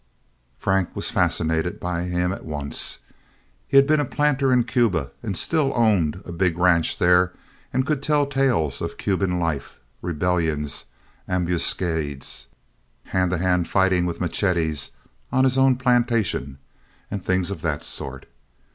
Frank was fascinated by him at once. He had been a planter in Cuba and still owned a big ranch there and could tell him tales of Cuban life—rebellions, ambuscades, hand to hand fighting with machetes on his own plantation, and things of that sort.